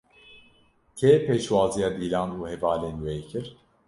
Kê pêşwaziya Dîlan û hevalên wê kir?